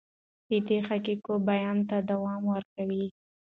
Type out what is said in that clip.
دی د حقایقو بیان ته دوام ورکوي.